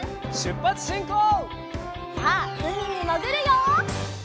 さあうみにもぐるよ！